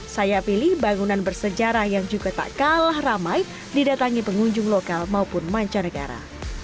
saya pilih bangunan bersejarah yang juga tak kalah ramai didatangi pengunjung lokal maupun mancanegara